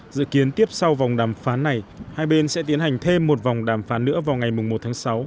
dự kiến tiếp sau vòng đàm phán này hai bên sẽ tiến hành thêm một vòng đàm phán nữa vào ngày một tháng sáu